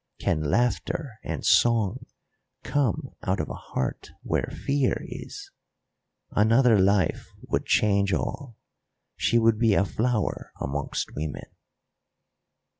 Can laughter and song come out of a heart where fear is? Another life would change all; she would be a flower amongst women."